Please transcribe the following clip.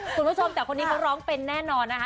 คุณผู้ชมแต่คนนี้เขาร้องเป็นแน่นอนนะคะ